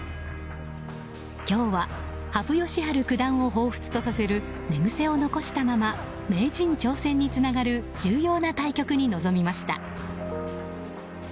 今日は、羽生善治九段をほうふつとさせる寝癖を残したまま名人挑戦につながる重要な対局に臨みました。